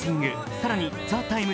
更に「ＴＨＥＴＩＭＥ，」